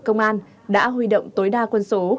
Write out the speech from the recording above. công an đã huy động tối đa quân số